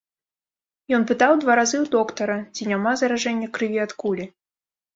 Ён пытаў два разы ў доктара, ці няма заражэння крыві ад кулі.